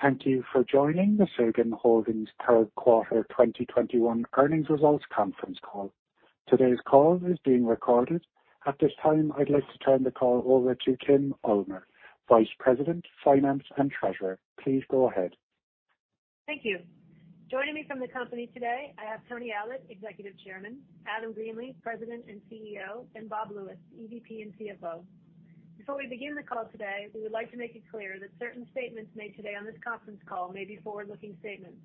Thank you for joining the Silgan Holdings third quarter 2021 earnings results conference call. Today's call is being recorded. At this time, I'd like to turn the call over to Kimberly Ulmer, Vice President, Finance and Treasurer. Please go ahead. Thank you. Joining me from the company today, I have Tony Allott, Executive Chairman, Adam Greenlee, President and Chief Executive Officer, and Bob Lewis, Executive Vice President and Chief Financial Officer. Before we begin the call today, we would like to make it clear that certain statements made today on this conference call may be forward-looking statements.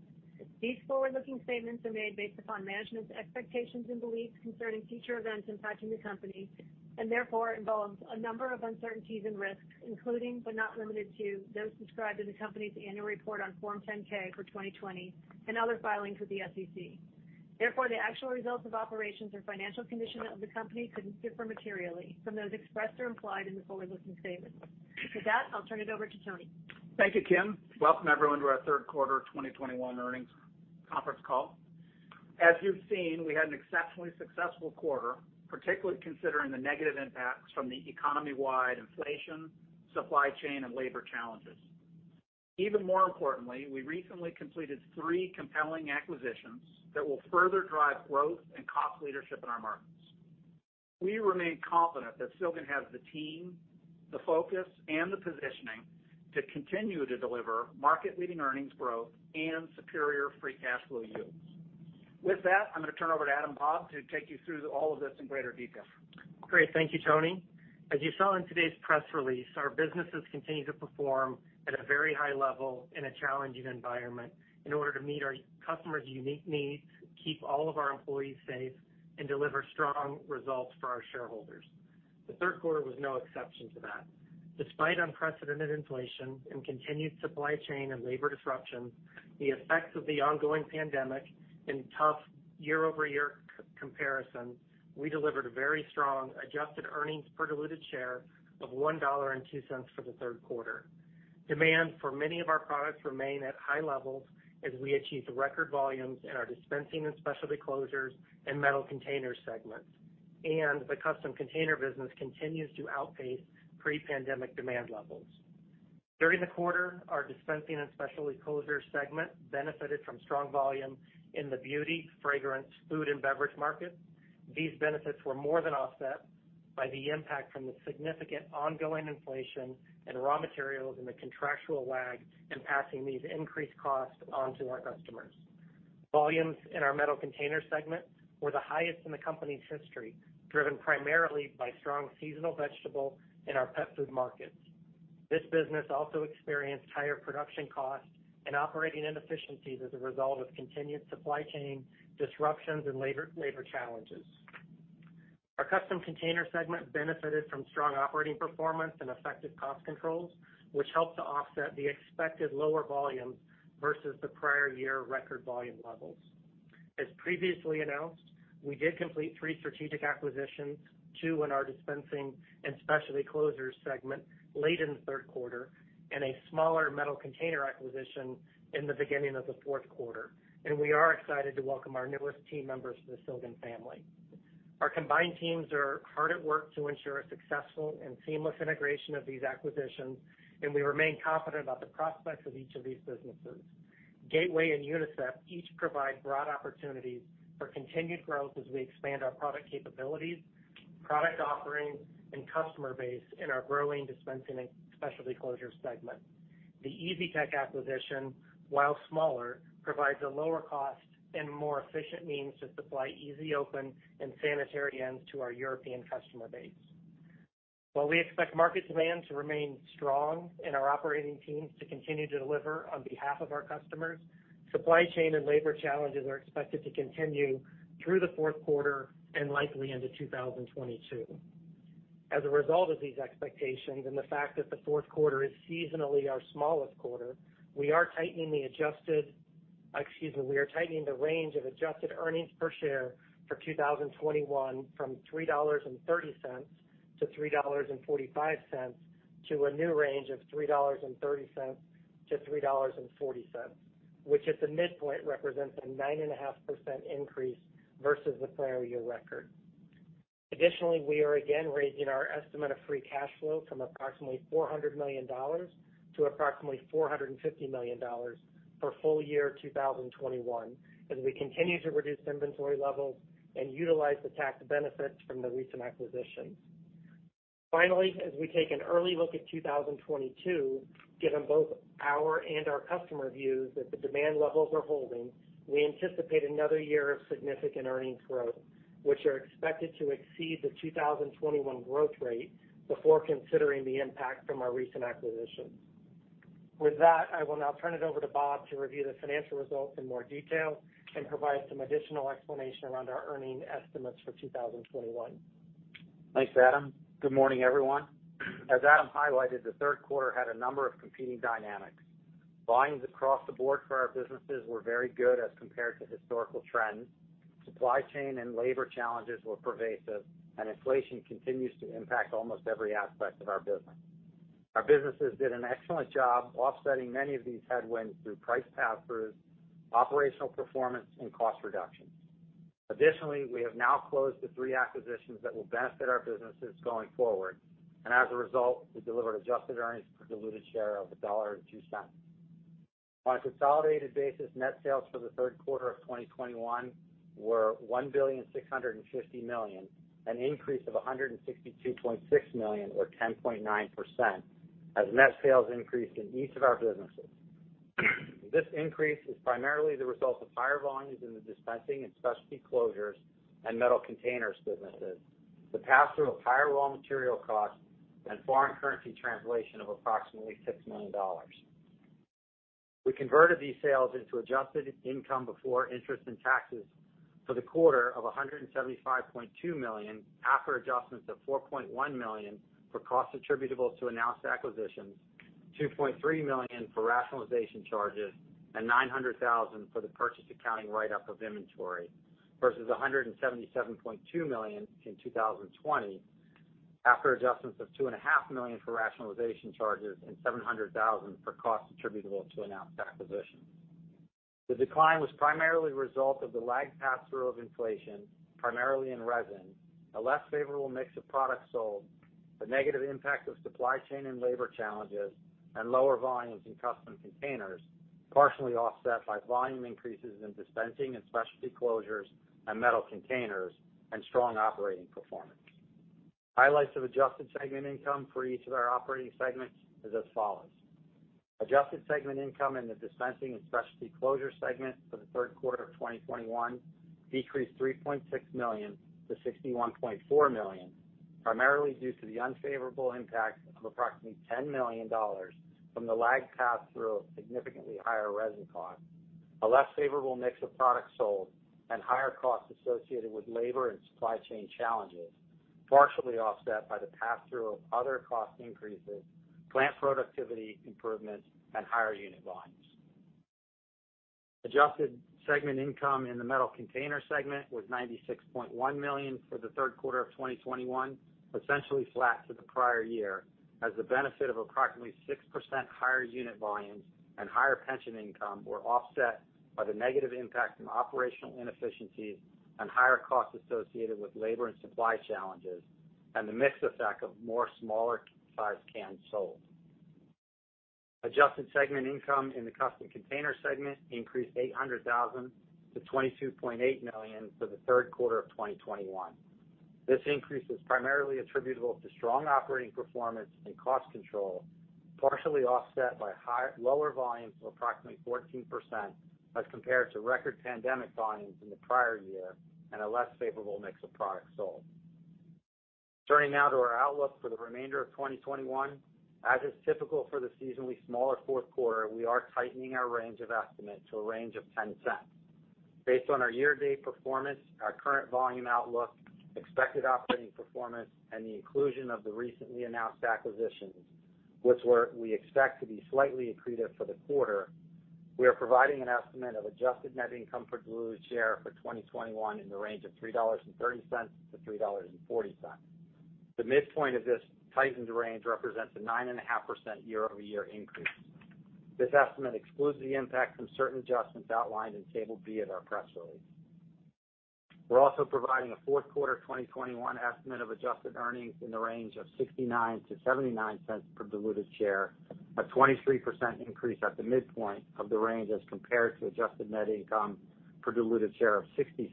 These forward-looking statements are made based upon management's expectations and beliefs concerning future events impacting the company, and therefore involves a number of uncertainties and risks, including, but not limited to, those described in the company's annual report on Form 10-K for 2020 and other filings with the SEC. Therefore, the actual results of operations or financial condition of the company could differ materially from those expressed or implied in the forward-looking statement. With that, I'll turn it over to Tony. Thank you, Kimberly. Welcome everyone to our third quarter 2021 earnings conference call. As you've seen, we had an exceptionally successful quarter, particularly considering the negative impacts from the economy-wide inflation, supply chain, and labor challenges. Even more importantly, we recently completed three compelling acquisitions that will further drive growth and cost leadership in our markets. We remain confident that Silgan has the team, the focus, and the positioning to continue to deliver market-leading earnings growth and superior free cash flow yields. With that, I'm gonna turn over to Adam and Bob to take you through all of this in greater detail. Great. Thank you, Tony. As you saw in today's press release, our businesses continue to perform at a very high level in a challenging environment in order to meet our customers' unique needs, keep all of our employees safe, and deliver strong results for our shareholders. The third quarter was no exception to that. Despite unprecedented inflation and continued supply chain and labor disruptions, the effects of the ongoing pandemic, and tough year-over-year comparison, we delivered a very strong adjusted earnings per diluted share of $1.02 for the third quarter. Demand for many of our products remain at high levels as we achieve record volumes in our Dispensing and Specialty Closures and Metal Containers segments, and the Custom Containers business continues to outpace pre-pandemic demand levels. During the quarter, our Dispensing and Specialty Closures segment benefited from strong volume in the beauty, fragrance, food, and beverage markets. These benefits were more than offset by the impact from the significant ongoing inflation in raw materials and the contractual lag in passing these increased costs on to our customers. Volumes in our Metal Container segment were the highest in the company's history, driven primarily by strong seasonal volumes in our vegetable and pet food markets. This business also experienced higher production costs and operating inefficiencies as a result of continued supply chain disruptions and labor challenges. Our Custom Container segment benefited from strong operating performance and effective cost controls, which helped to offset the expected lower volumes versus the prior year record volume levels. As previously announced, we did complete three strategic acquisitions, two in our Dispensing and Specialty Closures segment late in the third quarter, and a smaller Metal Containers acquisition in the beginning of the fourth quarter, and we are excited to welcome our newest team members to the Silgan family. Our combined teams are hard at work to ensure a successful and seamless integration of these acquisitions, and we remain confident about the prospects of each of these businesses. Gateway and Unicep each provide broad opportunities for continued growth as we expand our product capabilities, product offerings, and customer base in our growing Dispensing and Specialty Closures segment. The Easy-Tech acquisition, while smaller, provides a lower cost and more efficient means to supply easy-open and sanitary ends to our European customer base. While we expect market demand to remain strong and our operating teams to continue to deliver on behalf of our customers, supply chain and labor challenges are expected to continue through the fourth quarter and likely into 2022. As a result of these expectations and the fact that the fourth quarter is seasonally our smallest quarter, we are tightening the range of adjusted earnings per share for 2021 from $3.30-$3.45 to a new range of $3.30-$3.40, which at the midpoint represents a 9.5% increase versus the prior year record. Additionally, we are again raising our estimate of free cash flow from approximately $400 million to approximately $450 million for full year 2021 as we continue to reduce inventory levels and utilize the tax benefits from the recent acquisitions. Finally, as we take an early look at 2022, given both our and our customer views that the demand levels are holding, we anticipate another year of significant earnings growth, which are expected to exceed the 2021 growth rate before considering the impact from our recent acquisitions. With that, I will now turn it over to Bob to review the financial results in more detail and provide some additional explanation around our earnings estimates for 2021. Thanks, Adam. Good morning, everyone. As Adam highlighted, the third quarter had a number of competing dynamics. Volumes across the board for our businesses were very good as compared to historical trends. Supply chain and labor challenges were pervasive, and inflation continues to impact almost every aspect of our business. Our businesses did an excellent job offsetting many of these headwinds through price pass-throughs, operational performance, and cost reductions. Additionally, we have now closed the three acquisitions that will benefit our businesses going forward. As a result, we delivered adjusted earnings per diluted share of $1.02. On a consolidated basis, net sales for the third quarter of 2021 were $1.65 billion, an increase of $162.6 million or 10.9% as net sales increased in each of our businesses. This increase is primarily the result of higher volumes in the Dispensing and Specialty Closures and Metal Containers businesses, the pass-through of higher raw material costs, and foreign currency translation of approximately $6 million. We converted these sales into adjusted income before interest and taxes for the quarter of $175.2 million after adjustments of $4.1 million for costs attributable to announced acquisitions, $2.3 million for rationalization charges, and $900,000 for the purchase accounting write-up of inventory, versus $177.2 million in 2020 after adjustments of $2.5 million for rationalization charges and $700,000 for costs attributable to announced acquisitions. The decline was primarily the result of the lagged pass-through of inflation, primarily in resin, a less favorable mix of products sold, the negative impact of supply chain and labor challenges, and lower volumes in Custom Containers, partially offset by volume increases in Dispensing and Specialty Closures and Metal Containers and strong operating performance. Highlights of adjusted segment income for each of our operating segments is as follows. Adjusted segment income in the Dispensing and Specialty Closures segment for the third quarter of 2021 decreased $3.6 million-$61.4 million, primarily due to the unfavorable impact of approximately $10 million from the lagged pass-through of significantly higher resin costs, a less favorable mix of products sold, and higher costs associated with labor and supply chain challenges, partially offset by the pass-through of other cost increases, plant productivity improvements, and higher unit volumes. Adjusted segment income in the Metal Containers segment was $96.1 million for the third quarter of 2021, essentially flat to the prior year, as the benefit of approximately 6% higher unit volumes and higher pension income were offset by the negative impact from operational inefficiencies and higher costs associated with labor and supply challenges and the mix effect of more smaller sized cans sold. Adjusted segment income in the Custom Containers segment increased $800,000 to $22.8 million for the third quarter of 2021. This increase is primarily attributable to strong operating performance and cost control, partially offset by lower volumes of approximately 14% as compared to record pandemic volumes in the prior year and a less favorable mix of products sold. Turning now to our outlook for the remainder of 2021. As is typical for the seasonally smaller fourth quarter, we are tightening our range of estimate to a range of $0.10. Based on our year-to-date performance, our current volume outlook, expected operating performance, and the inclusion of the recently announced acquisitions, we expect to be slightly accretive for the quarter, we are providing an estimate of adjusted net income per diluted share for 2021 in the range of $3.30-$3.40. The midpoint of this tightened range represents a 9.5% year-over-year increase. This estimate excludes the impact from certain adjustments outlined in Table B of our press release. We're also providing a fourth quarter 2021 estimate of adjusted earnings in the range of $0.69-$0.79 per diluted share, a 23% increase at the midpoint of the range as compared to adjusted net income per diluted share of $0.60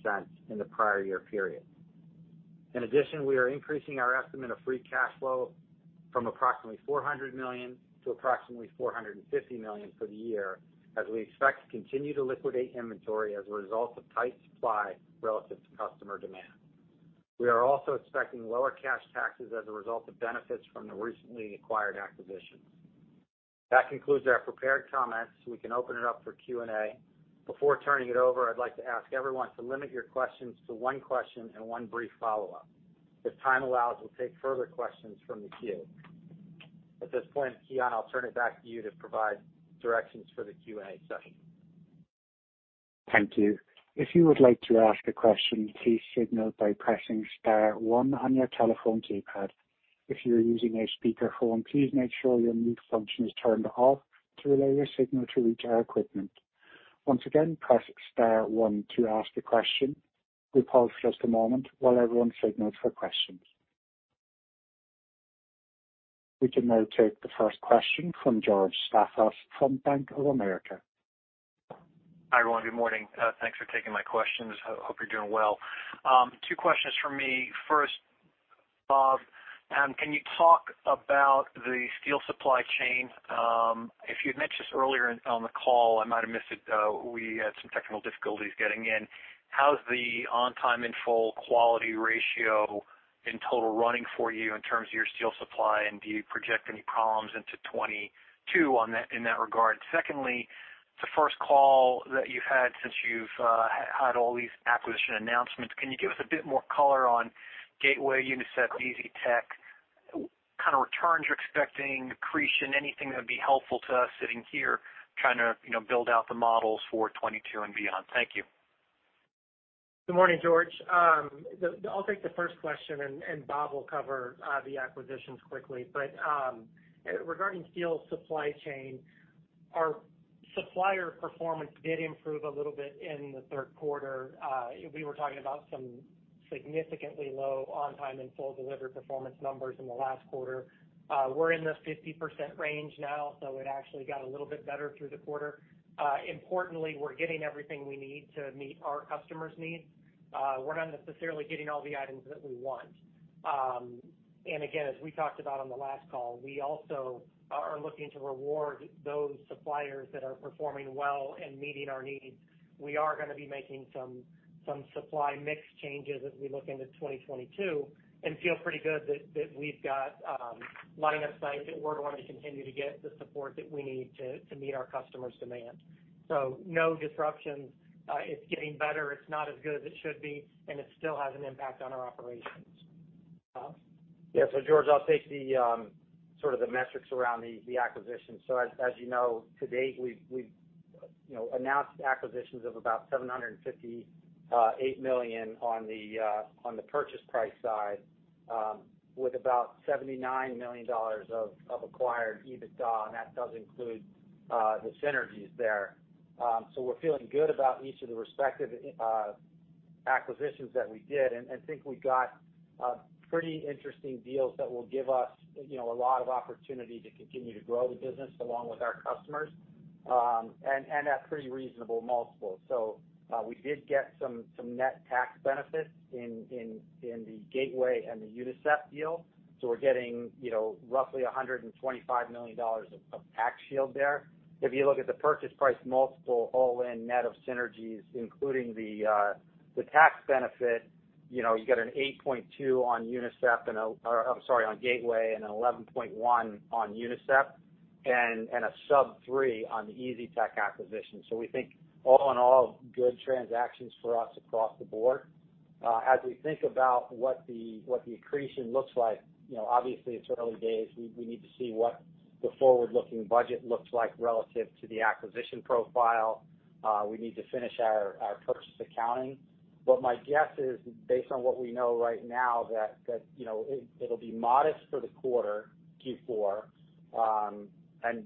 in the prior year period. In addition, we are increasing our estimate of free cash flow from approximately $400 million to approximately $450 million for the year as we expect to continue to liquidate inventory as a result of tight supply relative to customer demand. We are also expecting lower cash taxes as a result of benefits from the recently acquired acquisitions. That concludes our prepared comments. We can open it up for Q&A. Before turning it over, I'd like to ask everyone to limit your questions to one question and one brief follow-up. If time allows, we'll take further questions from the queue. At this point, I'll turn it back to you to provide directions for the Q&A session. Thank you. If you would like to ask a question, please signal by pressing star one on your telephone keypad. If you are using a speakerphone, please make sure your mute function is turned off to allow your signal to reach our equipment. Once again, press star one to ask a question. We'll pause for just a moment while everyone signals for questions. We can now take the first question from George Staphos from Bank of America. Hi, everyone. Good morning. Thanks for taking my questions. Hope you're doing well. Two questions from me. First, Bob, can you talk about the steel supply chain? If you'd mentioned earlier on the call, I might have missed it. We had some technical difficulties getting in. How's the on-time and full quality ratio in total running for you in terms of your steel supply? And do you project any problems into 2022 in that regard? Secondly, it's the first call that you've had since you've had all these acquisition announcements. Can you give us a bit more color on Gateway, Unicep, Easytech kind of returns you're expecting, accretion, anything that'd be helpful to us sitting here trying to, you know, build out the models for 2022 and beyond? Thank you. Good morning, George. I'll take the first question, and Bob will cover the acquisitions quickly. Regarding steel supply chain. Our Supplier performance did improve a little bit in the third quarter. We were talking about some significantly low on time and full delivery performance numbers in the last quarter. We're in the 50% range now, so it actually got a little bit better through the quarter. Importantly, we're getting everything we need to meet our customers' needs. We're not necessarily getting all the items that we want. And again, as we talked about on the last call, we also are looking to reward those suppliers that are performing well and meeting our needs. We are gonna be making some supply mix changes as we look into 2022, and feel pretty good that we've got line of sight that we're going to continue to get the support that we need to meet our customers' demand. No disruptions. It's getting better. It's not as good as it should be, and it still has an impact on our operations. Bob? Yeah. George, I'll take the sort of the metrics around the acquisition. As you know, to date, we've you know, announced acquisitions of about 758 million on the purchase price side, with about $79 million of acquired EBITDA, and that does include the synergies there. We're feeling good about each of the respective acquisitions that we did, and think we got pretty interesting deals that will give us you know, a lot of opportunity to continue to grow the business along with our customers, and at pretty reasonable multiples. We did get some net tax benefits in the Gateway and the Unicep deal. We're getting you know, roughly $125 million of tax shield there. If you look at the purchase price multiple all-in net of synergies, including the tax benefit, you know, you get an 8.2 on Gateway and an 11.1 on Unicep and a sub-3 on the Easytech acquisition. We think all in all, good transactions for us across the board. As we think about what the accretion looks like, you know, obviously it's early days. We need to see what the forward-looking budget looks like relative to the acquisition profile. We need to finish our purchase accounting. My guess is based on what we know right now, that you know, it'll be modest for the quarter, Q4.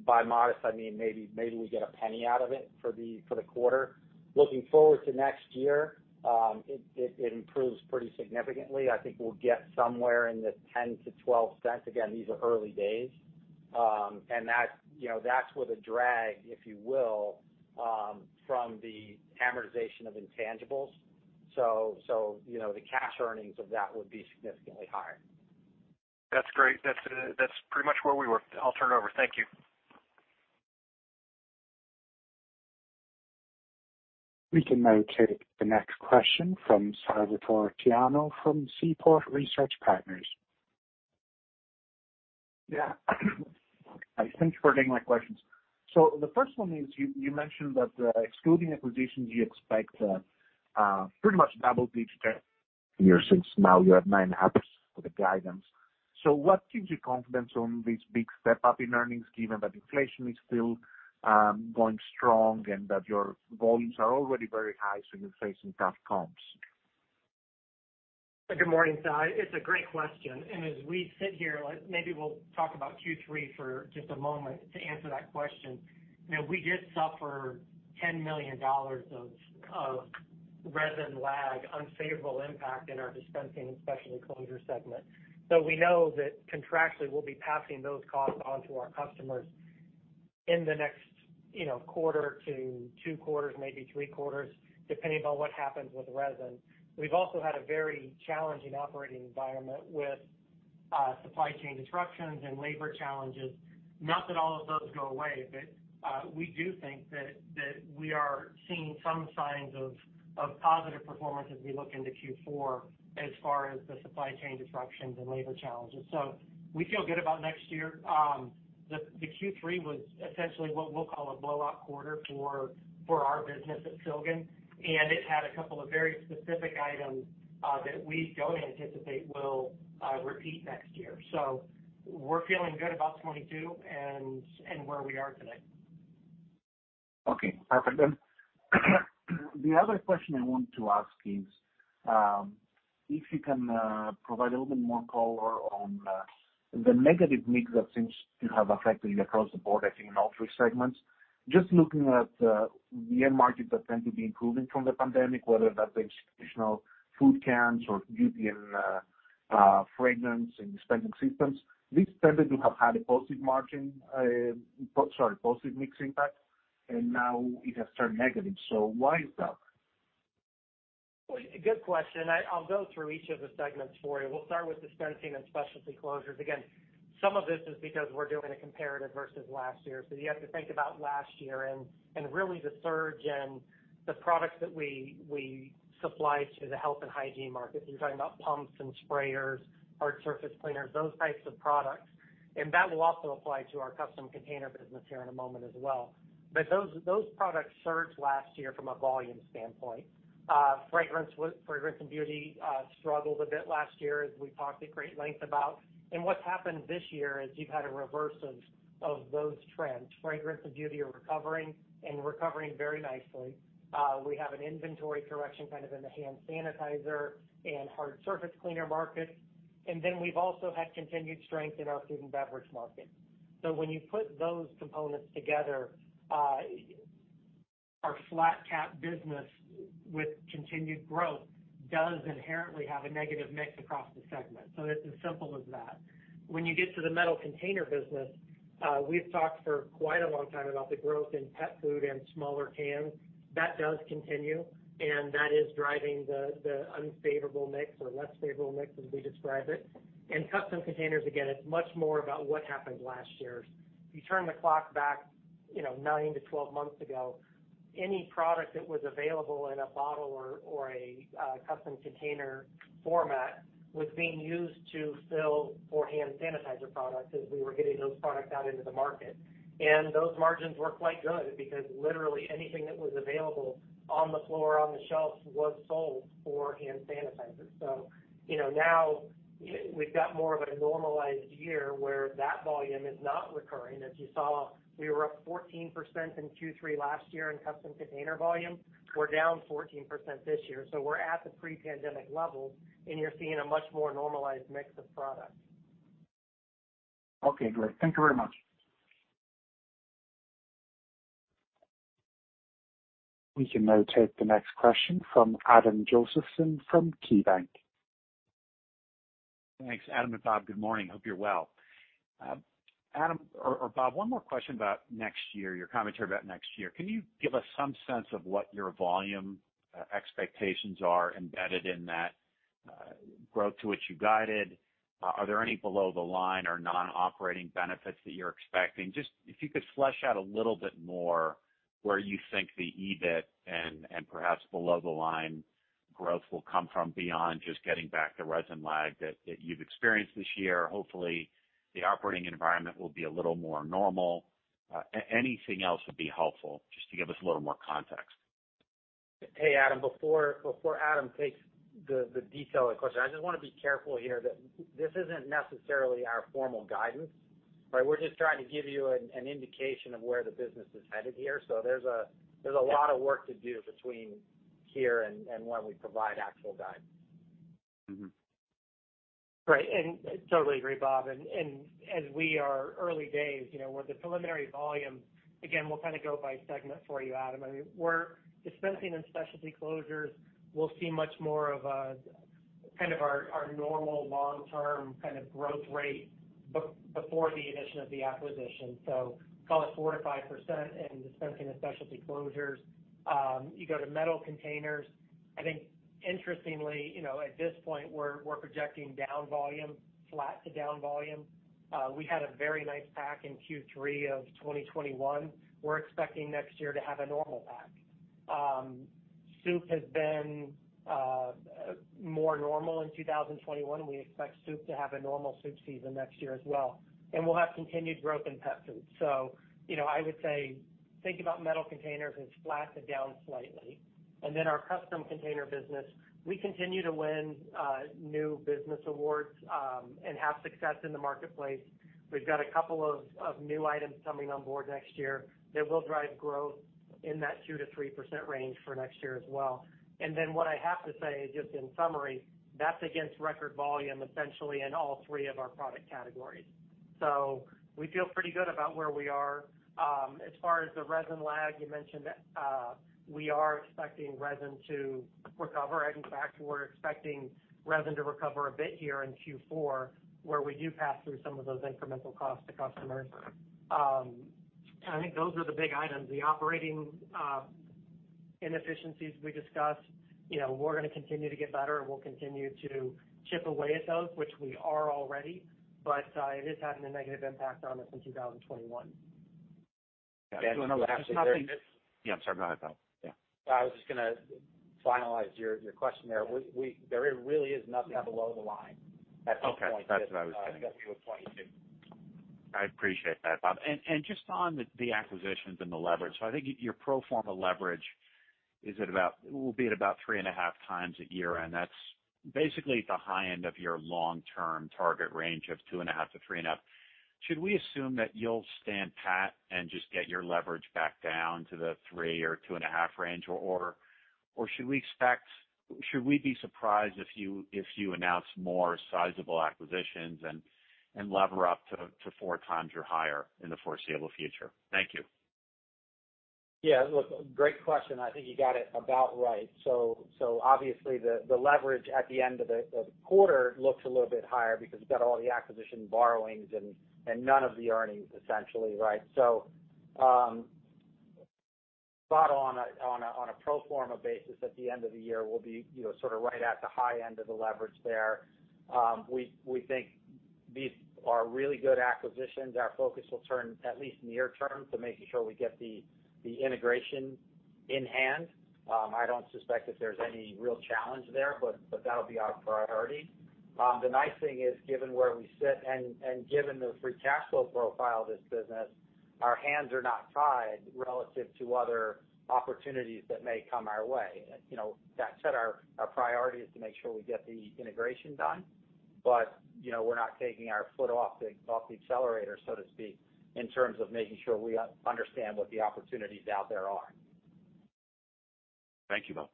By modest, I mean, maybe we get $0.01 out of it for the quarter. Looking forward to next year, it improves pretty significantly. I think we'll get somewhere in the $0.10-$0.12. Again, these are early days. That, you know, that's with a drag, if you will, from the amortization of intangibles. So, you know, the cash earnings of that would be significantly higher. That's great. That's pretty much where we were. I'll turn it over. Thank you. We can now take the next question from Salvatore Tiano from Seaport Research Partners. Yeah. Thanks for taking my questions. The first one is you mentioned that, excluding acquisitions, you expect pretty much double-digit growth in earnings since now you're at 9.5% for the guidance. What gives you confidence on this big step up in earnings given that inflation is still going strong and that your volumes are already very high, so you're facing tough comps? Good morning, Salvatore. It's a great question. As we sit here, like maybe we'll talk about Q3 for just a moment to answer that question. You know, we did suffer $10 million of resin lag unfavorable impact in our Dispensing and Specialty Closures segment. So we know that contractually we'll be passing those costs on to our customers in the next, you know, quarter to two quarters, maybe three quarters, depending on what happens with the resin. We've also had a very challenging operating environment with supply chain disruptions and labor challenges. Not that all of those go away, but we do think that we are seeing some signs of positive performance as we look into Q4 as far as the supply chain disruptions and labor challenges. So we feel good about next year. The Q3 was essentially what we'll call a blowout quarter for our business at Silgan, and it had a couple of very specific items that we don't anticipate will repeat next year. We're feeling good about 2022 and where we are today. Okay. Perfect. The other question I want to ask is, if you can, provide a little bit more color on, the negative mix that seems to have affected you across the board, I think in all three segments. Just looking at, the end markets that tend to be improving from the pandemic, whether that's the traditional food cans or beauty and, fragrance and dispensing systems, these tended to have had a positive margin, sorry, positive mix impact, and now it has turned negative. Why is that? Good question. I'll go through each of the segments for you. We'll start with Dispensing and Specialty Closures. Again, some of this is because we're doing a comparative versus last year. You have to think about last year and really the surge and the products that we supplied to the health and hygiene markets. You're talking about pumps and sprayers, hard surface cleaners, those types of products. That will also apply to our Custom Containers business here in a moment as well. Those products surged last year from a volume standpoint. Fragrance and beauty struggled a bit last year, as we talked at great length about. What's happened this year is you've had a reverse of those trends. Fragrance and beauty are recovering and recovering very nicely. We have an inventory correction kind of in the hand sanitizer and hard surface cleaner markets. We've also had continued strength in our food and beverage market. When you put those components together, our flat cap business with continued growth does inherently have a negative mix across the segment. It's as simple as that. When you get to the Metal Containers business, we've talked for quite a long time about the growth in pet food and smaller cans. That does continue, and that is driving the unfavorable mix or less favorable mix as we describe it. Custom Containers, again, it's much more about what happened last year. If you turn the clock back, you know, nine to 12 months ago, any product that was available in a bottle or Custom Containers format was being used to fill for hand sanitizer products as we were getting those products out into the market. Those margins were quite good because literally anything that was available on the floor, on the shelves was sold for hand sanitizers. You know, now we've got more of a normalized year where that volume is not recurring. As you saw, we were up 14% in Q3 last year in Custom Containers volume. We're down 14% this year, so we're at the pre-pandemic levels, and you're seeing a much more normalized mix of products. Okay, great. Thank you very much. We can now take the next question from Adam Josephson from KeyBanc. Thanks, Adam and Bob. Good morning. Hope you're well. Adam or Bob, one more question about next year, your commentary about next year. Can you give us some sense of what your volume expectations are embedded in that growth to which you guided? Are there any below the line or non-operating benefits that you're expecting? Just if you could flesh out a little bit more where you think the EBIT and perhaps below the line growth will come from beyond just getting back the resin lag that you've experienced this year. Hopefully, the operating environment will be a little more normal. Anything else would be helpful just to give us a little more context. Hey, Adam. Before Adam takes the detail of the question, I just wanna be careful here that this isn't necessarily our formal guidance, right? We're just trying to give you an indication of where the business is headed here. There's a lot of work to do between here and when we provide actual guidance. Right. Totally agree, Bob. As we're in early days, you know, where the preliminary volume. Again, we'll kind of go by segment for you, Adam. I mean, in Dispensing and Specialty Closures, we'll see much more of kind of our normal long-term kind of growth rate before the addition of the acquisition. So call it 4%-5% in Dispensing and Specialty Closures. You go to Metal Containers, I think interestingly, you know, at this point, we're projecting down volume, flat to down volume. We had a very nice pack in Q3 of 2021. We're expecting next year to have a normal pack. Soup has been more normal in 2021, and we expect soup to have a normal soup season next year as well. We'll have continued growth in pet food. You know, I would say think about Metal Containers as flat to down slightly. Our Custom Containers business, we continue to win new business awards and have success in the marketplace. We've got a couple of new items coming on board next year that will drive growth in that 2%-3% range for next year as well. What I have to say, just in summary, that's against record volume essentially in all three of our product categories. We feel pretty good about where we are. As far as the resin lag you mentioned, we are expecting resin to recover. In fact, we're expecting resin to recover a bit here in Q4, where we do pass through some of those incremental costs to customers. I think those are the big items. The operating inefficiencies we discussed, you know, we're gonna continue to get better, and we'll continue to chip away at those, which we are already. It is having a negative impact on us in 2021. Yeah, I'm sorry. Go ahead, Bob. Yeah. I was just gonna finalize your question there. There really is nothing below the line at this point. Okay. That's what I was getting at. That we would point to. I appreciate that, Bob. Just on the acquisitions and the leverage. I think your pro forma leverage will be at about 3.5x a year, and that's basically at the high end of your long-term target range of 2.5x-3.5x. Should we assume that you'll stand pat and just get your leverage back down to the 3x or 2.5x range? Should we be surprised if you announce more sizable acquisitions and lever up to 4x or higher in the foreseeable future? Thank you. Yeah. Look, great question. I think you got it about right. Obviously, the leverage at the end of the quarter looks a little bit higher because you've got all the acquisition borrowings and none of the earnings essentially, right? Spot on a pro forma basis at the end of the year, we'll be, you know, sort of right at the high end of the leverage there. We think these are really good acquisitions. Our focus will turn at least near term to making sure we get the integration in hand. I don't suspect that there's any real challenge there, but that'll be our priority. The nice thing is, given where we sit and given the free cash flow profile of this business, our hands are not tied relative to other opportunities that may come our way. You know, that said, our priority is to make sure we get the integration done, but, you know, we're not taking our foot off the accelerator, so to speak, in terms of making sure we understand what the opportunities out there are. Thank you, Bob.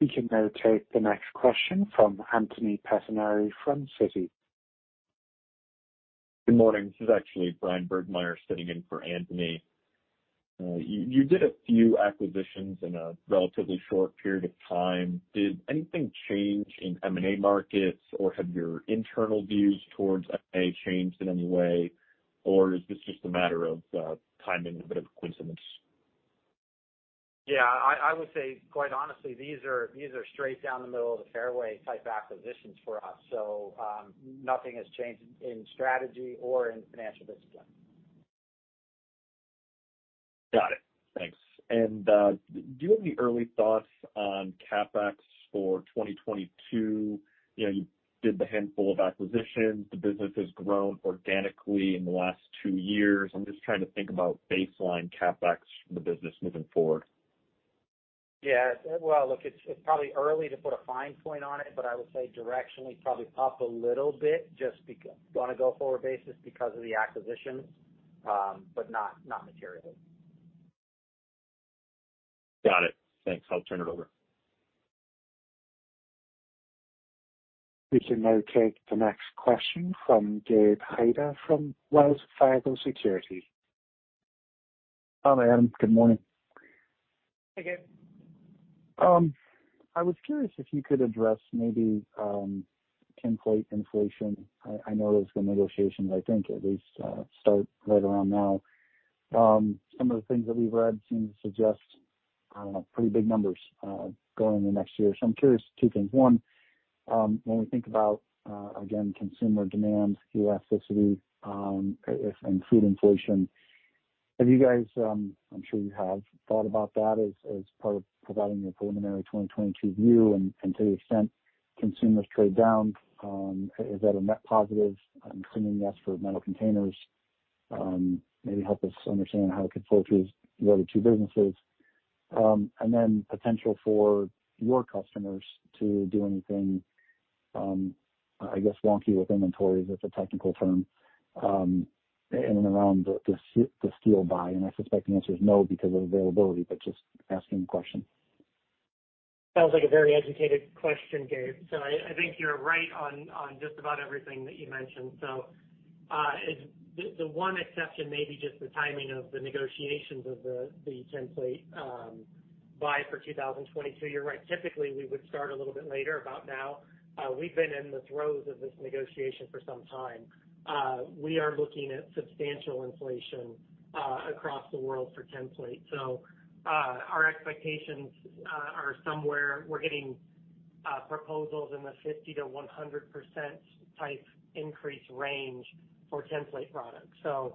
We can now take the next question from Anthony Pettinari from Citi. Good morning. This is actually Bryan Burgmeier sitting in for Anthony. You did a few acquisitions in a relatively short period of time. Did anything change in M&A markets, or have your internal views towards M&A changed in any way? Or is this just a matter of timing and a bit of coincidence? Yeah, I would say, quite honestly, these are straight down the middle of the fairway type acquisitions for us. Nothing has changed in strategy or in financial discipline. Got it. Thanks. Do you have any early thoughts on CapEx for 2022? You know, you did the handful of acquisitions. The business has grown organically in the last two years. I'm just trying to think about baseline CapEx for the business moving forward. Yeah. Well, look, it's probably early to put a fine point on it, but I would say directionally probably up a little bit on a go-forward basis because of the acquisitions, but not materially. Got it. Thanks. I'll turn it over. We can now take the next question from Gabe Hajde from Wells Fargo Securities. Hi, Adam. Good morning. Hey, Gabe. I was curious if you could address maybe tinplate inflation. I know those negotiations, I think, at least, start right around now. Some of the things that we've read seem to suggest pretty big numbers going into next year. I'm curious, two things, one, when we think about, again, consumer demand, elasticity, if and food inflation, have you guys, I'm sure you have thought about that as part of providing your preliminary 2022 view? To the extent consumers trade down, is that a net positive, I'm assuming, yes, for Metal Containers? Maybe help us understand how it could filter through the other two businesses. Potential for your customers to do anything, I guess, wonky with inventories is the technical term, in and around the steel buy. I suspect the answer is no because of availability, but just asking the question. Sounds like a very educated question, Gabe. I think you're right on just about everything that you mentioned. The one exception may be just the timing of the negotiations of the tinplate buy for 2022. You're right. Typically, we would start a little bit later, about now. We've been in the throes of this negotiation for some time. We are looking at substantial inflation across the world for tinplate. Our expectations are. We're getting proposals in the 50%-100% type increase range for tinplate products. 50%-100%,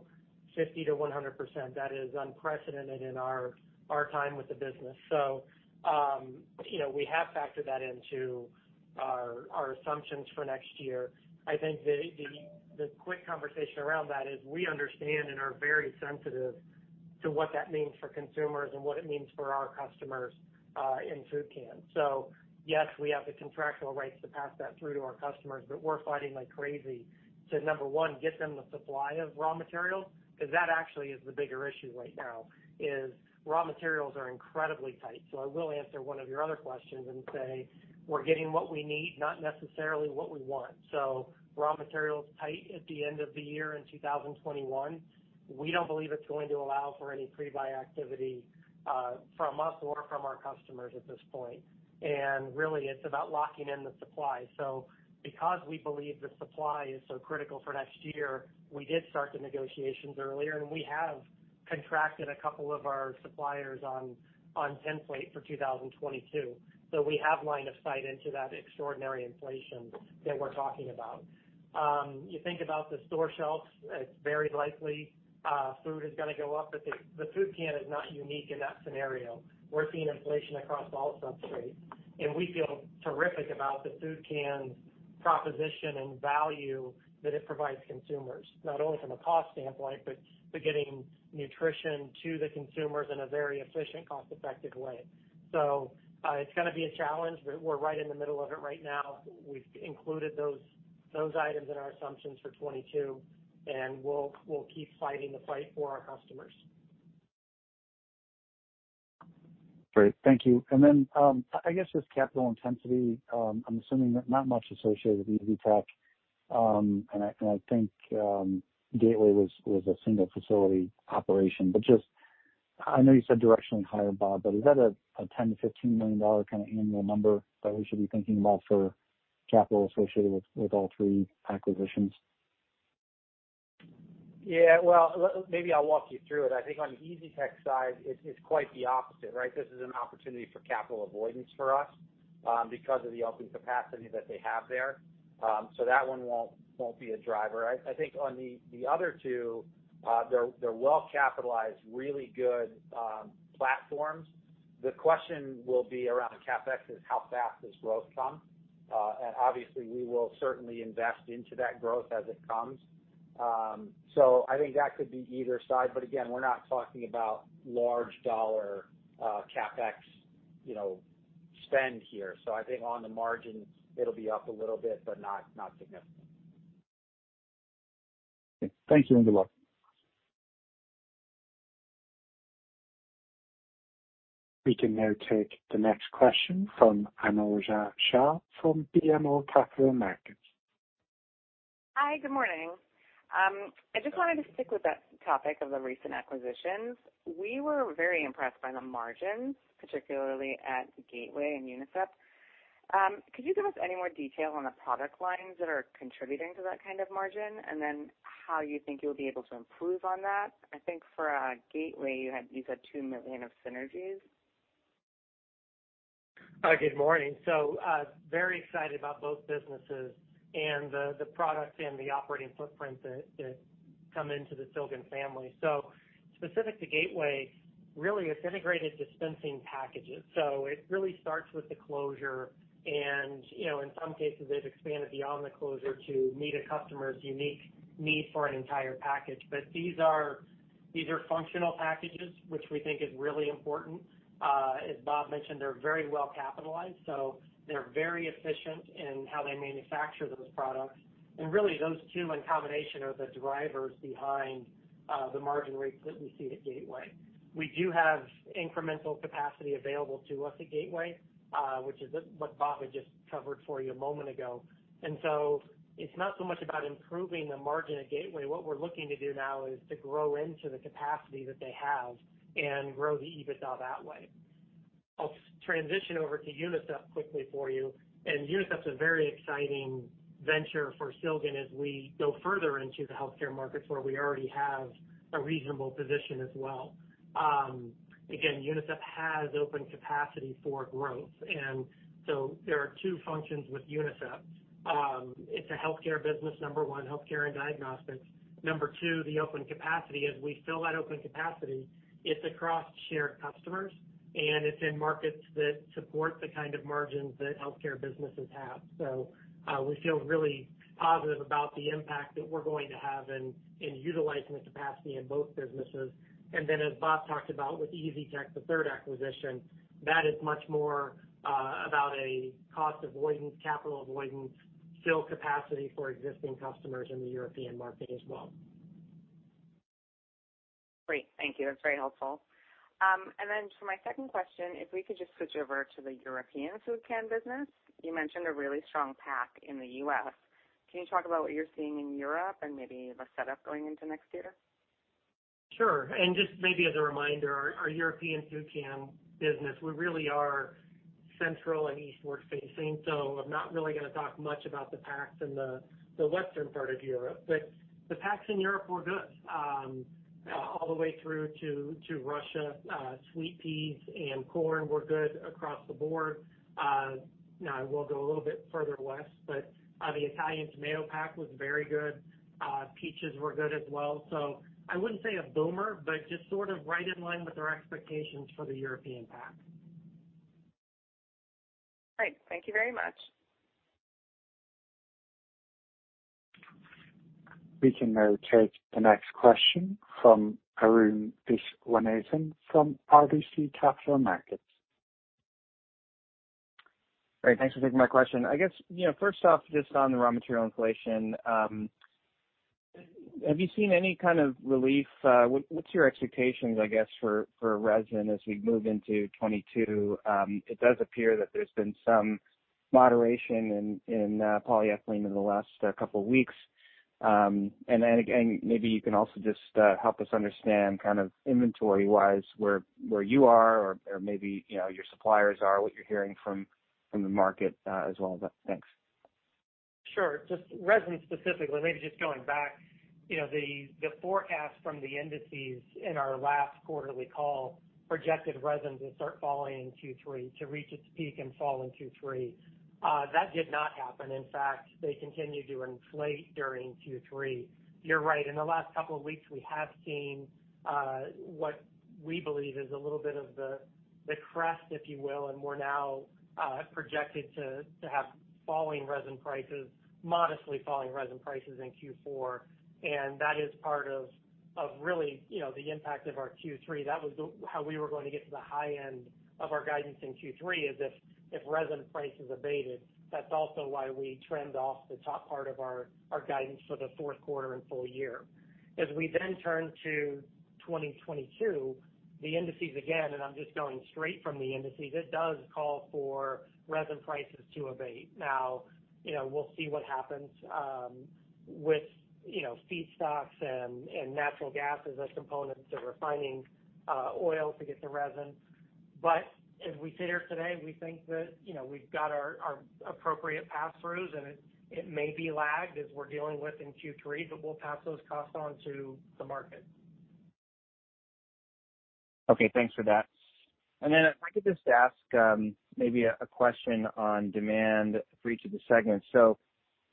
that is unprecedented in our time with the business. You know, we have factored that into our assumptions for next year. I think the quick conversation around that is we understand and are very sensitive to what that means for consumers and what it means for our customers in food cans. Yes, we have the contractual rights to pass that through to our customers, but we're fighting like crazy to number one, get them the supply of raw materials, 'cause that actually is the bigger issue right now, is raw materials are incredibly tight. I will answer one of your other questions and say we're getting what we need, not necessarily what we want. Raw materials tight at the end of the year in 2021, we don't believe it's going to allow for any pre-buy activity from us or from our customers at this point. Really it's about locking in the supply. Because we believe the supply is so critical for next year, we did start the negotiations earlier, and we have contracted a couple of our suppliers on tinplate for 2022. We have line of sight into that extraordinary inflation that we're talking about. You think about the store shelves, it's very likely food is gonna go up, but the food can is not unique in that scenario. We're seeing inflation across all substrates. We feel terrific about the food can proposition and value that it provides consumers, not only from a cost standpoint, but getting nutrition to the consumers in a very efficient, cost-effective way. It's gonna be a challenge. We're right in the middle of it right now. We've included those items in our assumptions for 2022, and we'll keep fighting the fight for our customers. Great. Thank you. Then, I guess just capital intensity. I'm assuming that not much associated with Easytech, and I think Gateway was a single facility operation. But just, I know you said directionally higher, Bob, but is that a $10 million-$15 million kind of annual number that we should be thinking about for capital associated with all three acquisitions? Yeah. Well, maybe I'll walk you through it. I think on the Easy-Tec side, it's quite the opposite, right? This is an opportunity for capital avoidance for us, because of the open capacity that they have there. So that one won't be a driver. I think on the other two, they're well capitalized, really good platforms. The question will be around CapEx, is how fast does growth come? And obviously we will certainly invest into that growth as it comes. So I think that could be either side. But again, we're not talking about large dollar CapEx, you know, spend here. So I think on the margin it'll be up a little bit, but not significant. Thank you, and good luck. We can now take the next question from Anojja Shah from BMO Capital Markets. Hi, good morning. I just wanted to stick with that topic of the recent acquisitions. We were very impressed by the margins, particularly at Gateway and Unicep. Could you give us any more detail on the product lines that are contributing to that kind of margin, and then how you think you'll be able to improve on that? I think for Gateway, you said $2 million of synergies. Good morning. Very excited about both businesses and the products and the operating footprint that come into the Silgan family. Specific to Gateway, really it's integrated dispensing packages. It really starts with the closure and, you know, in some cases, they've expanded beyond the closure to meet a customer's unique need for an entire package. But these are functional packages, which we think is really important. As Bob mentioned, they're very well capitalized, so they're very efficient in how they manufacture those products. Really those two in combination are the drivers behind the margin rates that we see at Gateway. We do have incremental capacity available to us at Gateway, which is what Bob had just covered for you a moment ago. It's not so much about improving the margin at Gateway. What we're looking to do now is to grow into the capacity that they have and grow the EBITDA that way. I'll transition over to Unicep quickly for you. Unicep's a very exciting venture for Silgan as we go further into the healthcare markets where we already have a reasonable position as well. Again, Unicep has open capacity for growth, and so there are two functions with Unicep. It's a healthcare business, number one, healthcare and diagnostics. Number two, the open capacity. As we fill that open capacity, it's across shared customers and it's in markets that support the kind of margins that healthcare businesses have. We feel really positive about the impact that we're going to have in utilizing the capacity in both businesses. As Bob talked about with Easy-Tec, the third acquisition, that is much more about a cost avoidance, capital avoidance, fill capacity for existing customers in the European market as well. Great. Thank you. That's very helpful. For my second question, if we could just switch over to the European food can business. You mentioned a really strong pack in the U.S. Can you talk about what you're seeing in Europe and maybe the setup going into next year? Sure. Just maybe as a reminder, our European food can business, we really are central and eastward facing. I'm not really gonna talk much about the packs in the Western part of Europe. The packs in Europe were good, all the way through to Russia. Sweet peas and corn were good across the board. Now I will go a little bit further West, but the Italian tomato pack was very good. Peaches were good as well. I wouldn't say a boomer, but just sort of right in line with our expectations for the European pack. Great. Thank you very much. We can now take the next question from Arun Viswanathan from RBC Capital Markets. Great. Thanks for taking my question. I guess, you know, first off, just on the raw material inflation, have you seen any kind of relief? What's your expectations, I guess, for resin as we move into 2022? It does appear that there's been some moderation in polyethylene in the last couple weeks. Then again, maybe you can also just help us understand kind of inventory-wise, where you are or maybe, you know, your suppliers are, what you're hearing from the market, as well. Thanks. Sure. Just resin specifically, maybe just going back. You know, the forecast from the indices in our last quarterly call projected resin to start falling in Q3, to reach its peak and fall in Q3. That did not happen. In fact, they continued to inflate during Q3. You're right, in the last couple of weeks, we have seen what we believe is a little bit of the crest, if you will, and we're now projected to have falling resin prices, modestly falling resin prices in Q4. That is part of really, you know, the impact of our Q3. That was how we were going to get to the high end of our guidance in Q3, is if resin prices abated. That's also why we trimmed off the top part of our guidance for the fourth quarter and full year. As we then turn to 2022, the indices again, and I'm just going straight from the indices, it does call for resin prices to abate. Now, you know, we'll see what happens, with, you know, feedstocks and natural gas as a component to refining, oil to get to resin. But as we sit here today, we think that, you know, we've got our appropriate pass-throughs, and it may be lagged as we're dealing with in Q3, but we'll pass those costs on to the market. Okay, thanks for that. Then if I could just ask maybe a question on demand for each of the segments.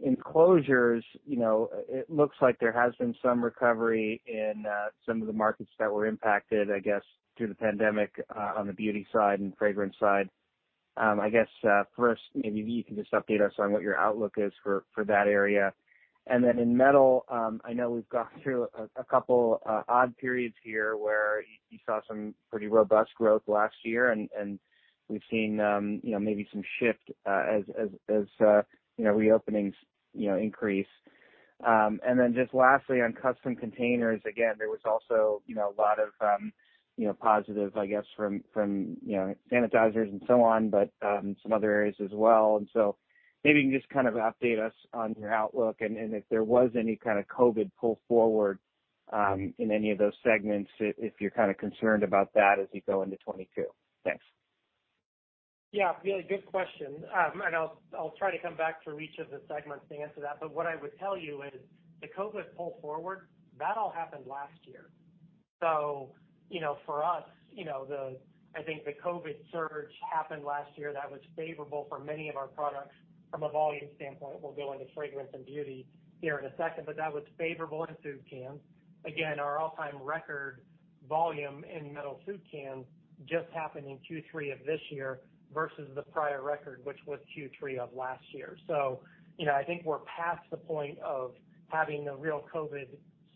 In closures, you know, it looks like there has been some recovery in some of the markets that were impacted, I guess, through the pandemic on the beauty side and fragrance side. I guess first, maybe you can just update us on what your outlook is for that area. Then in metal, I know we've gone through a couple odd periods here where, you know, you saw some pretty robust growth last year, and we've seen, you know, maybe some shift as, you know, reopenings, you know, increase. Just lastly, on Custom Containers, again, there was also, you know, a lot of, you know, positive, I guess, from, you know, sanitizers and so on, but, some other areas as well. Maybe you can just kind of update us on your outlook and if there was any kind of COVID pull forward, in any of those segments, if you're kinda concerned about that as you go into 2022. Thanks. Yeah, really good question. I'll try to come back to each of the segments to answer that. What I would tell you is the COVID pull forward, that all happened last year. You know, for us, you know, I think the COVID surge happened last year. That was favorable for many of our products from a volume standpoint. We'll go into fragrance and beauty here in a second, but that was favorable in food cans. Again, our all-time record volume in metal food cans just happened in Q3 of this year versus the prior record, which was Q3 of last year. You know, I think we're past the point of having a real COVID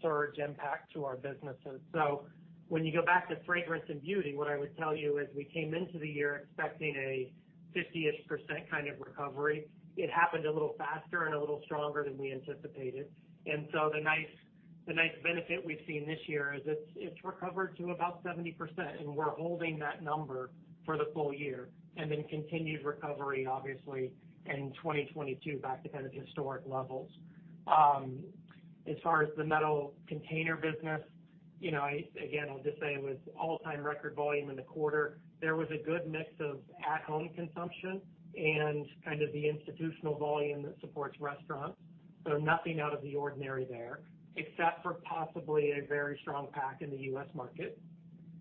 surge impact to our businesses. When you go back to fragrance and beauty, what I would tell you is we came into the year expecting a 50-ish% kind of recovery. It happened a little faster and a little stronger than we anticipated. The nice benefit we've seen this year is it's recovered to about 70%, and we're holding that number for the full year, and then continued recovery, obviously, in 2022 back to kind of historic levels. As far as the Metal Containers business, you know, I again, I'll just say it was all-time record volume in the quarter. There was a good mix of at-home consumption and kind of the institutional volume that supports restaurants. Nothing out of the ordinary there, except for possibly a very strong pack in the U.S. market.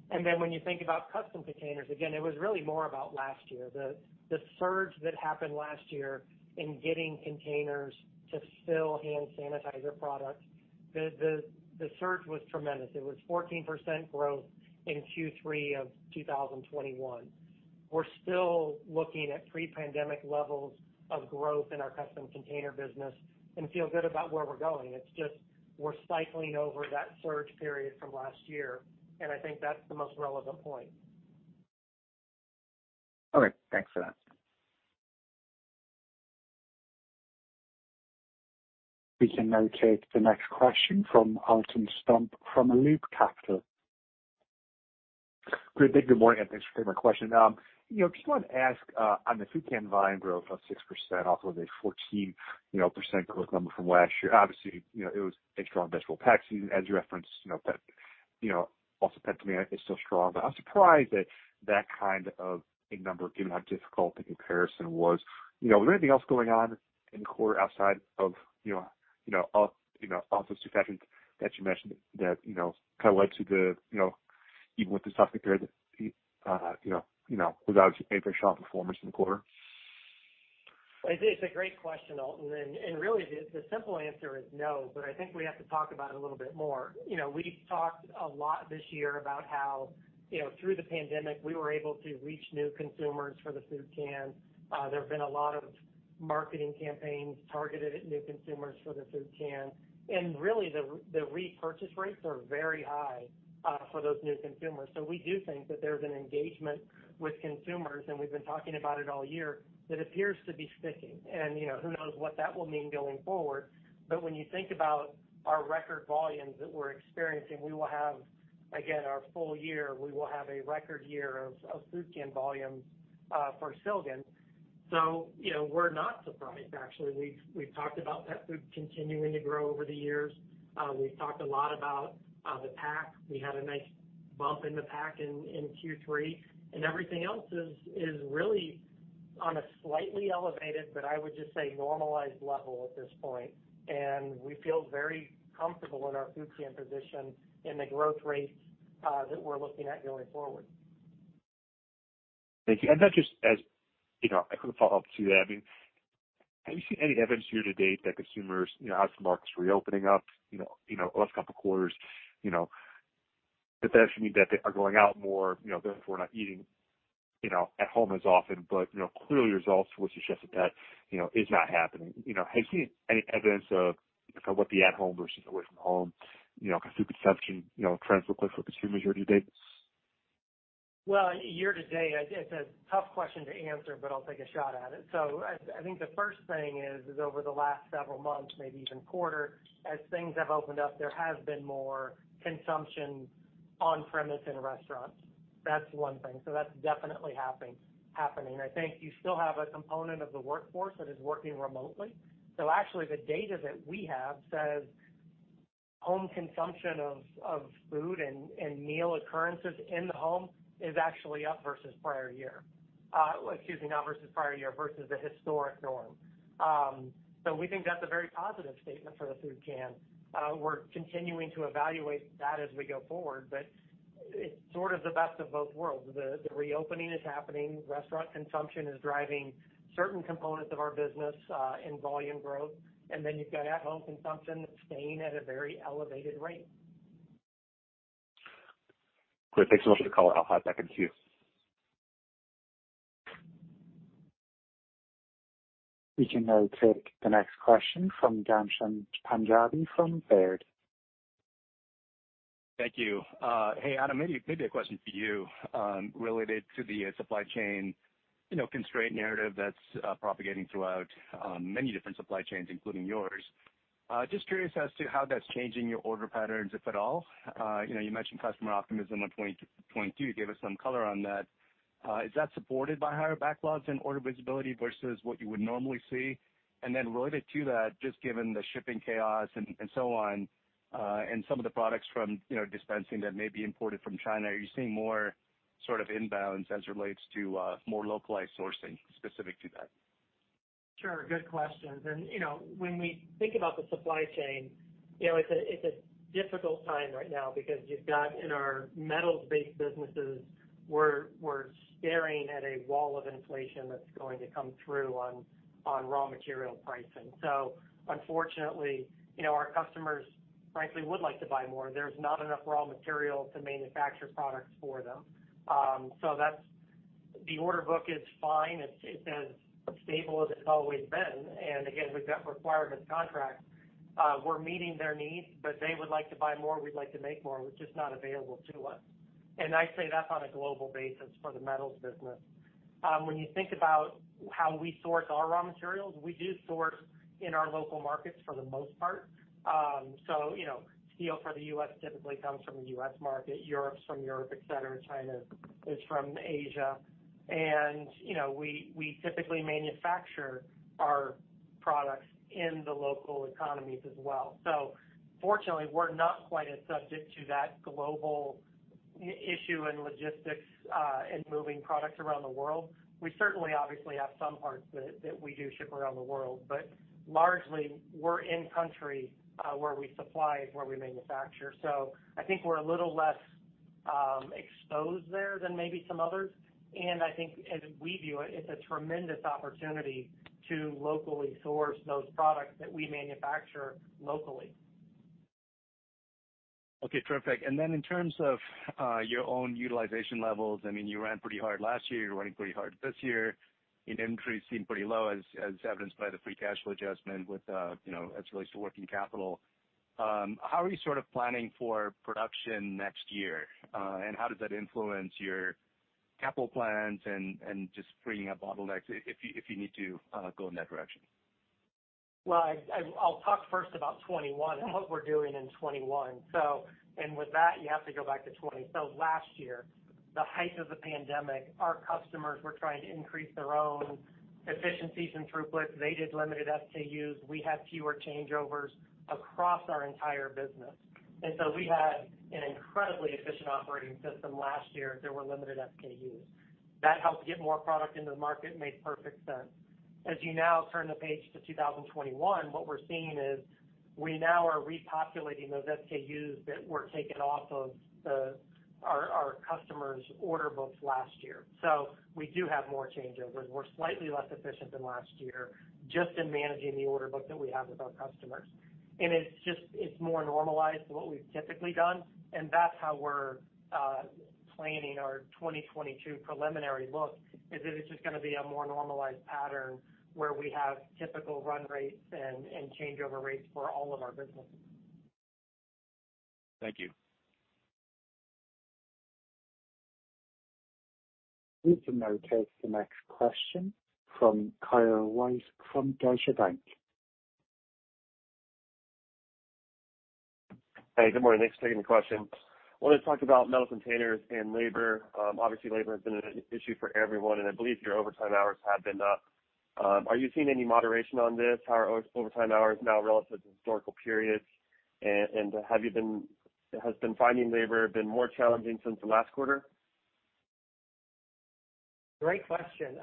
When you think about Custom Containers, again, it was really more about last year. The surge that happened last year in getting containers to fill hand sanitizer products was tremendous. It was 14% growth in Q3 of 2021. We're still looking at pre-pandemic levels of growth in our Custom Containers business and feel good about where we're going. It's just we're cycling over that surge period from last year, and I think that's the most relevant point. Okay. Thanks for that. We can now take the next question from Alton Stump from Loop Capital. Great, Adam. Good morning, and thanks for taking my question. You know, just wanted to ask on the food can volume growth of 6% off of a 14% growth number from last year. Obviously, you know, it was a strong vegetable pack season. As you referenced, you know, also pet food is still strong. I'm surprised at that kind of a number, given how difficult the comparison was. You know, was there anything else going on in the quarter outside of, you know, of those two factors that you mentioned that, you know, kind of led to the, you know, even with the softer period, you know, without peers' strong performance in the quarter? It is a great question, Alton. Really the simple answer is no, but I think we have to talk about it a little bit more. You know, we've talked a lot this year about how, you know, through the pandemic, we were able to reach new consumers for the food can. There have been a lot of marketing campaigns targeted at new consumers for the food can. Really, the repurchase rates are very high for those new consumers. We do think that there's an engagement with consumers, and we've been talking about it all year, that appears to be sticking. You know, who knows what that will mean going forward. When you think about our record volumes that we're experiencing, we will have a record year of food can volumes for Silgan. You know, we're not surprised actually. We've talked about pet food continuing to grow over the years. We've talked a lot about the pack. We had a nice bump in the pack in Q3. Everything else is really on a slightly elevated, but I would just say normalized level at this point. We feel very comfortable in our food can position and the growth rates that we're looking at going forward. Thank you. Just as, you know, I kind of follow up to that. I mean, have you seen any evidence year to date that consumers, you know, as the market's reopening up, you know, last couple quarters, you know, did that actually mean that they are going out more, you know, therefore not eating, you know, at home as often, but, you know, clearly your results would suggest that, you know, is not happening. You know, have you seen any evidence of kind of what the at home versus away from home, you know, kind of food consumption, you know, trends look like for consumers year to date? Well, year to date, it's a tough question to answer, but I'll take a shot at it. I think the first thing is over the last several months, maybe even quarter, as things have opened up, there has been more consumption on premise in restaurants. That's one thing. That's definitely happening. I think you still have a component of the workforce that is working remotely. Actually the data that we have says home consumption of food and meal occurrences in the home is actually up versus prior year, excuse me, not versus prior year, versus the historic norm. We think that's a very positive statement for the food can. We're continuing to evaluate that as we go forward, but it's sort of the best of both worlds. The reopening is happening. Restaurant consumption is driving certain components of our business, in volume growth. You've got at-home consumption that's staying at a very elevated rate. Great. Thanks so much for the call. I'll hand it back to you. We can now take the next question from Ghansham Panjabi from Baird. Thank you. Hey, Adam, maybe a question for you, related to the supply chain, you know, constraint narrative that's propagating throughout many different supply chains, including yours. Just curious as to how that's changing your order patterns, if at all. You know, you mentioned customer optimism on 2022. Give us some color on that. Is that supported by higher backlogs and order visibility versus what you would normally see? Related to that, just given the shipping chaos and so on, and some of the products from, you know, dispensing that may be imported from China, are you seeing more sort of inbounds as relates to more localized sourcing specific to that? Sure. Good questions. You know, when we think about the supply chain, you know, it's a difficult time right now because you've got in our metals-based businesses, we're staring at a wall of inflation that's going to come through on raw material pricing. Unfortunately, you know, our customers frankly would like to buy more. There's not enough raw material to manufacture products for them. The order book is fine. It's as stable as it's always been. Again, we've got requirements contracts. We're meeting their needs, but they would like to buy more, we'd like to make more, it's just not available to us. I say that on a global basis for the metals business. When you think about how we source our raw materials, we do source in our local markets for the most part. You know, steel for the U.S. typically comes from the U.S. market, Europe's from Europe, etc., China is from Asia. You know, we typically manufacture our products in the local economies as well. Fortunately, we're not quite as subject to that global issue in logistics and moving products around the world. We certainly obviously have some parts that we do ship around the world, but largely we're in country where we supply, where we manufacture. I think we're a little less exposed there than maybe some others. I think as we view it's a tremendous opportunity to locally source those products that we manufacture locally. Okay. Terrific. In terms of your own utilization levels, I mean, you ran pretty hard last year. You're running pretty hard this year. Inventory seemed pretty low, as evidenced by the free cash flow adjustment with, you know, as it relates to working capital. How are you sort of planning for production next year, and how does that influence your capital plans and just freeing up bottlenecks if you need to go in that direction? Well, I'll talk first about 2021 and what we're doing in 2021. With that, you have to go back to 2020. Last year, the height of the pandemic, our customers were trying to increase their own efficiencies and throughputs. They did limited SKUs. We had fewer changeovers across our entire business. We had an incredibly efficient operating system last year. There were limited SKUs. That helped get more product into the market, made perfect sense. As you now turn the page to 2021, what we're seeing is we now are repopulating those SKUs that were taken off of our customers' order books last year. We do have more changeovers. We're slightly less efficient than last year just in managing the order book that we have with our customers. It's just more normalized to what we've typically done. That's how we're planning. Our 2022 preliminary look is that it's just gonna be a more normalized pattern where we have typical run rates and changeover rates for all of our businesses. Thank you. We can now take the next question from Kyle White from Deutsche Bank. Hey, good morning. Thanks for taking the question. I wanna talk about Metal Containers and labor. Obviously labor has been an issue for everyone, and I believe your overtime hours have been up. Are you seeing any moderation on this? How are overtime hours now relative to historical periods? And has finding labor been more challenging since the last quarter? Great question.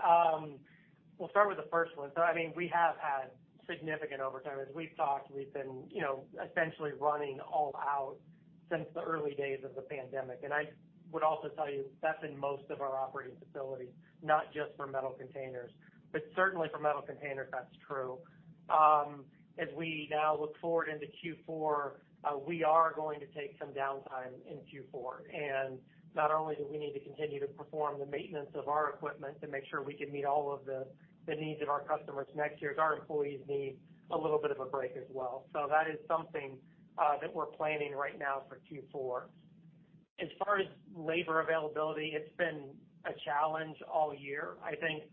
We'll start with the first one. I mean, we have had significant overtime. As we've talked, we've been, you know, essentially running all out since the early days of the pandemic. I would also tell you that's in most of our operating facilities, not just for Metal Containers. Certainly for Metal Containers, that's true. As we now look forward into Q4, we are going to take some downtime in Q4. Not only do we need to continue to perform the maintenance of our equipment to make sure we can meet all of the needs of our customers next year, our employees need a little bit of a break as well. That is something that we're planning right now for Q4. As far as labor availability, it's been a challenge all year. I think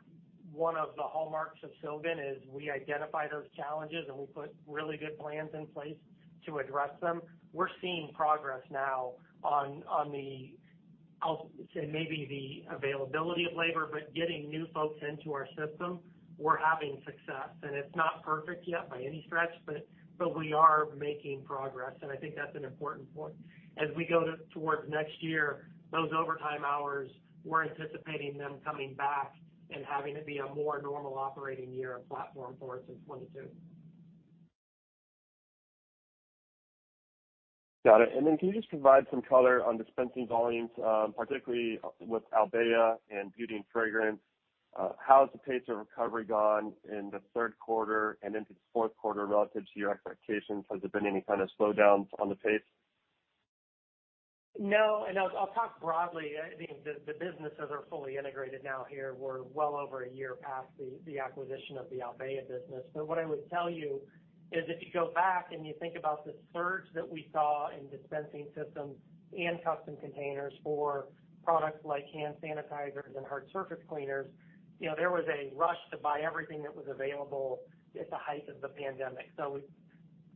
one of the hallmarks of Silgan is we identify those challenges, and we put really good plans in place to address them. We're seeing progress now on the, I'll say maybe the availability of labor, but getting new folks into our system, we're having success. It's not perfect yet by any stretch, but we are making progress. I think that's an important point. As we go towards next year, those overtime hours, we're anticipating them coming back and having it be a more normal operating year platform for us in 2022. Got it. Can you just provide some color on dispensing volumes, particularly with Albéa and Beauty & Fragrance? How has the pace of recovery gone in the third quarter and into the fourth quarter relative to your expectations? Has there been any kind of slowdowns on the pace? No, I'll talk broadly. I mean, the businesses are fully integrated now here. We're well over a year past the acquisition of the Albéa business. What I would tell you is if you go back and you think about the surge that we saw in dispensing systems and custom containers for products like hand sanitizers and hard surface cleaners, you know, there was a rush to buy everything that was available at the height of the pandemic.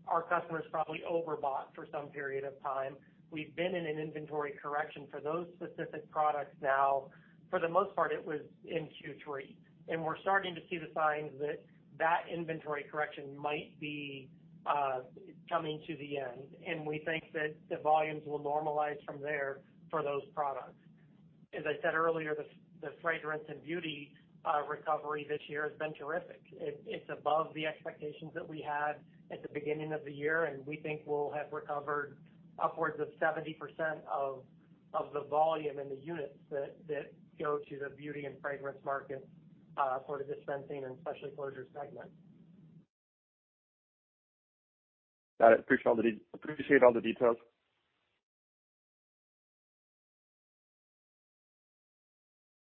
Our customers probably overbought for some period of time. We've been in an inventory correction for those specific products now. For the most part, it was in Q3. We're starting to see the signs that inventory correction might be coming to the end, and we think that the volumes will normalize from there for those products. As I said earlier, the fragrance and beauty recovery this year has been terrific. It's above the expectations that we had at the beginning of the year, and we think we'll have recovered upwards of 70% of the volume in the units that go to the beauty and fragrance market for the Dispensing and Specialty Closures segment. Got it. Appreciate all the details.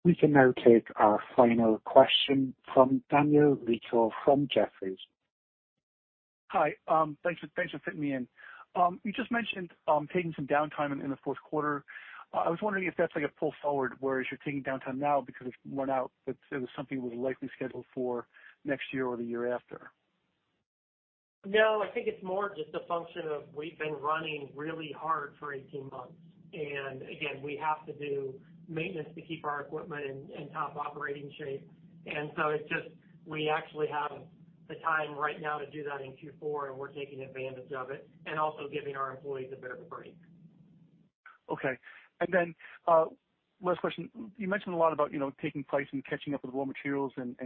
We can now take our final question from Daniel Rizzo from Jefferies. Hi, thanks for fitting me in. You just mentioned taking some downtime in the fourth quarter. I was wondering if that's like a pull-forward, whereas you're taking downtime now because it's run out, but it was something you would likely schedule for next year or the year after. No, I think it's more just a function of we've been running really hard for 18 months. Again, we have to do maintenance to keep our equipment in top operating shape. It's just we actually have the time right now to do that in Q4, and we're taking advantage of it and also giving our employees a bit of a break. Okay. Last question, you mentioned a lot about, you know, taking price and catching up with raw materials and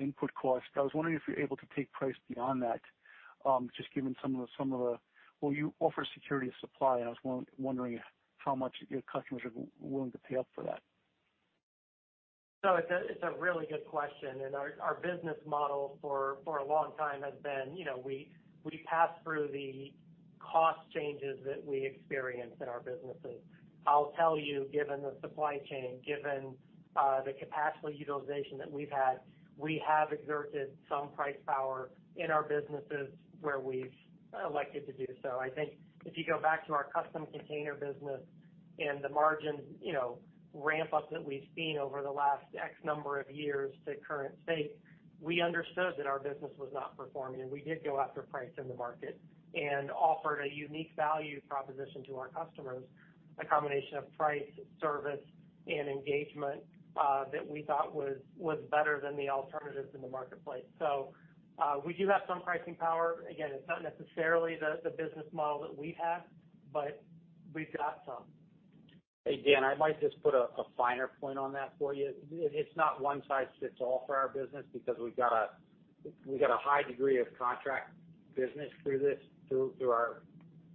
input costs. I was wondering if you're able to take price beyond that. Will you offer security of supply? I was wondering how much your customers are willing to pay up for that. It's a really good question. Our business model for a long time has been, you know, we pass through the cost changes that we experience in our businesses. I'll tell you, given the supply chain, the capacity utilization that we've had, we have exerted some price power in our businesses where we've elected to do so. I think if you go back to our Custom Containers business and the margin, you know, ramp up that we've seen over the last an number of years to current state, we understood that our business was not performing, and we did go after price in the market and offered a unique value proposition to our customers, a combination of price, service, and engagement, that we thought was better than the alternatives in the marketplace. We do have some pricing power. Again, it's not necessarily the business model that we've had, but we've got some. Hey, Daniel, I might just put a finer point on that for you. It's not one size fits all for our business because we've got a high degree of contract business through our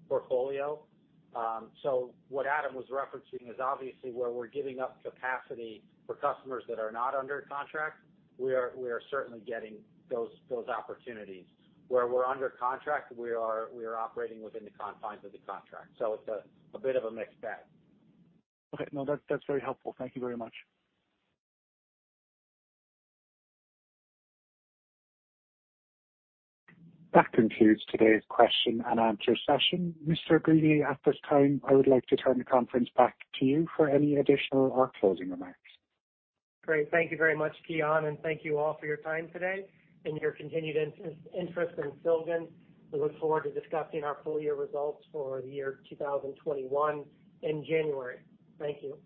portfolio. What Adam was referencing is obviously where we're giving up capacity for customers that are not under contract, we are certainly getting those opportunities. Where we're under contract, we are operating within the confines of the contract. It's a bit of a mixed bag. Okay. No, that's very helpful. Thank you very much. That concludes today's question and answer session. Mr. Greenlee, at this time, I would like to turn the conference back to you for any additional or closing remarks. Great. Thank you very much, Kian, and thank you all for your time today and your continued interest in Silgan. We look forward to discussing our full year results for the year 2021 in January. Thank you.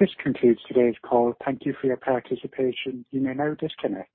This concludes today's call. Thank you for your participation. You may now disconnect.